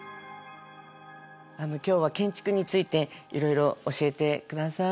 今日は建築についていろいろ教えてください。